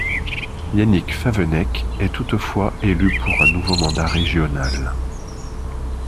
Yannick Favennec est toutefois élu pour un nouveau mandat régional.